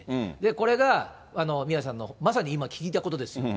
これが宮根さんのまさに今、聞いたことですよ。